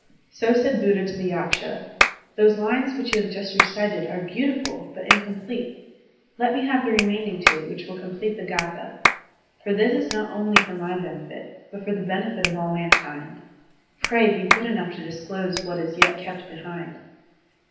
So said Buddha to the Yaksha: "Those lines which you have just recited are beautiful but incomplete. Let me have the remaining two, which will complete the g^tha. For this is not only for my own benefit, but for the benefit of all mankind. Pray be good enough to disclose what is yet kept behind.